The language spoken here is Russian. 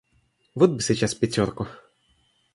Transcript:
Вот бы сейчас пятерку!